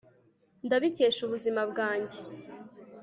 ndabikesha ubuzima bwanjye